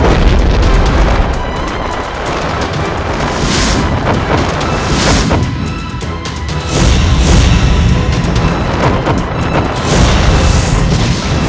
perkenalkan semua kesaktian musuh luar